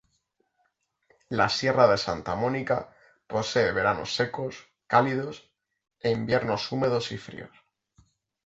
La sierra de Santa Mónica posee veranos secos, cálidos e inviernos húmedos y fríos.